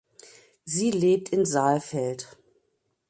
Sie lebt in Saalfeld.